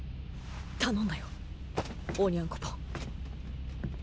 頼んだよオニャンコポン。